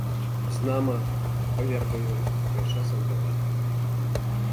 — Знамо, коверкаю, — келша Санковат.